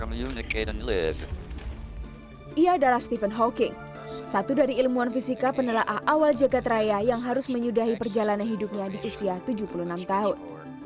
ia adalah stephen hawking satu dari ilmuwan fisika penelaah awal jagad raya yang harus menyudahi perjalanan hidupnya di usia tujuh puluh enam tahun